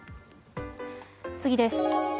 次です。